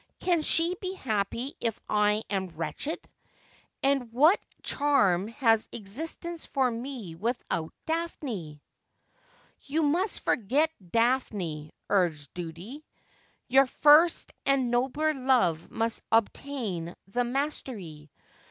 ' Can she be happy if I am wretched ? And what charm has existence for me without Daphne ?' 'You must forget Daphne,' urged Duty; 'your first and nobler love must obtain the mastery.